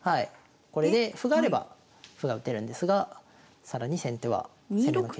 これで歩があれば歩が打てるんですが更に先手は攻めの継続が。